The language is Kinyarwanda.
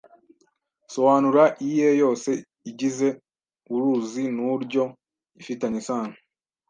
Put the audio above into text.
soanura iie yose igize uuuruzi nuuryo ifitanye isano